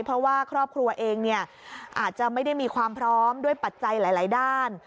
เพราะว่าครอบครัวเองเนี่ยอาจจะไม่ได้มีความพร้อมด้วยปัจจัยหลายด้าน